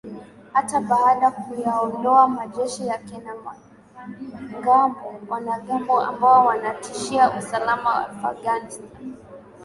hata baada kuyaondoa majeshi yake na wanamgambo wanamgambo ambao wanatishia usalama afghanistan